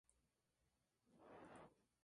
Las neuronas motoras son, por tanto, eferentes.